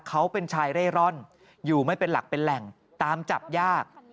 เขาเป็นชายเร่ร่อนอยู่ไม่เป็นหลักเป็นแหล่งตามจับยาก